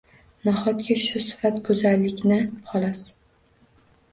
Nahotki, shu sifat go’zallikna xos.